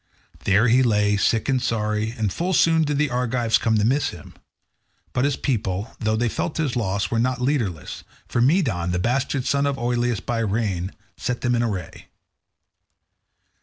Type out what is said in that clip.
There he lay sick and sorry, and full soon did the Argives come to miss him. But his people, though they felt his loss were not leaderless, for Medon, the bastard son of Oileus by Rhene, set them in array.